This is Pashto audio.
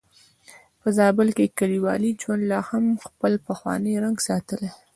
په زابل کې کليوالي ژوند لا هم خپل پخوانی رنګ ساتلی.